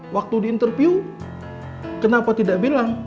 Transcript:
waktu di interview kenapa tidak bilang